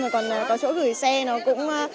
còn có chỗ gửi xe nó cũng